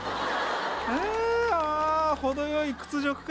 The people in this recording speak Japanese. ああ程よい屈辱感。